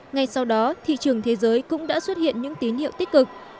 ngay sau đó thị trường thế giới cũng đã xuất hiện những tín hiệu tích cực